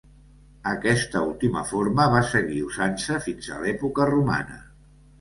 Aquesta última forma va seguir usant-se fins a l'època romana.